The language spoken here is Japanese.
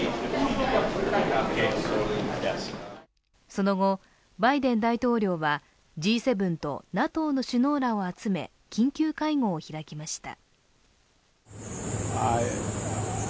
その後、バイデン大統領はＧ７とＮＡＴＯの首脳らを集め緊急会合を開きました。